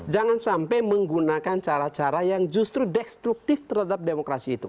jangan sampai menggunakan cara cara yang justru destruktif terhadap demokrasi itu